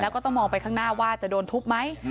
แล้วก็ต้องมองไปข้างหน้าว่าจะโดนทุบไหม